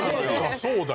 そうだよ。